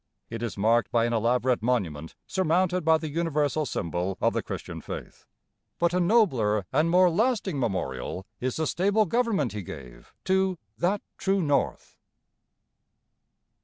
It is marked by an elaborate monument surmounted by the universal symbol of the Christian faith; but a nobler and more lasting memorial is the stable government he gave to 'that true North.'